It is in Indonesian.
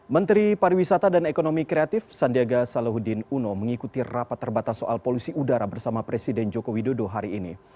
menteri pariwisata dan ekonomi kreatif sandiaga salahuddin uno mengikuti rapat terbatas soal polusi udara bersama presiden joko widodo hari ini